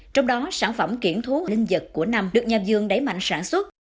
trong đó sản phẩm kiển thú linh vật của năm được nhà dương đẩy mạnh sản xuất